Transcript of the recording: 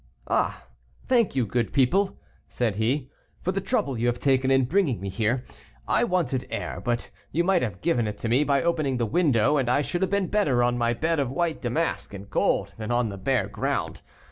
"Ah, thank you, good people," said he, "for the trouble you have taken in bringing me here. I wanted air, but you might have given it to me by opening the window, and I should have been better on my bed of white damask and gold than on the bare ground.